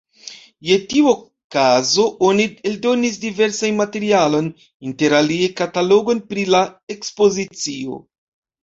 Je tiu okazo oni eldonis diversan materialon, interalie katalogon pri la ekspozicio.